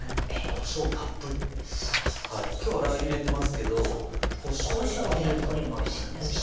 こしょうたっぷり今日はラー油入れてますけどこしょうもこしょうたっぷりもおいしいんですよ